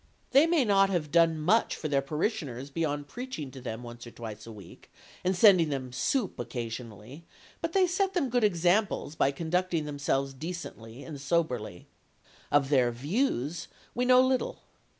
They may not have done much for their parishioners beyond preaching to them once or twice a week, and sending them soup occasionally, but they set them good examples by conducting themselves decently and soberly. Of their "views" we know little.